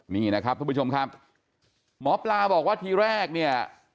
นี่นะครับทุกผู้ชมครับหมอปลาบอกว่าทีแรกเนี่ย